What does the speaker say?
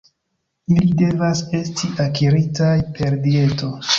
Ili devas esti akiritaj per dieto.